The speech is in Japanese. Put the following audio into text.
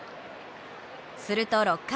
すると６回。